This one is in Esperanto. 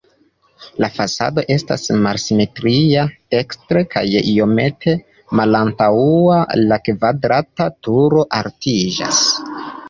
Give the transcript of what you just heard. La fasado estas malsimetria, dekstre kaj iomete malantaŭe la kvadrata turo altiĝas.